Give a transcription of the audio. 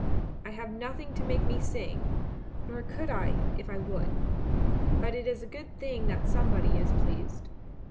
I have nothing to make me sing, nor could I if I would. But it is a good thing that somebody is pleased.